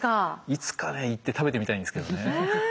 いつか行って食べてみたいんですけどね。